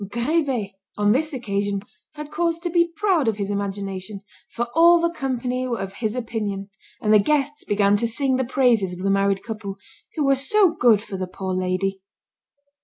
Grivet, on this occasion, had cause to be proud of his imagination, for all the company were of his opinion; and the guests began to sing the praises of the married couple, who were so good for the poor lady.